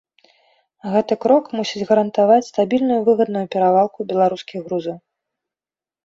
Гэты крок мусіць гарантаваць стабільную і выгадную перавалку беларускіх грузаў.